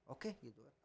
oke gitu kan